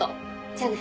じゃあね。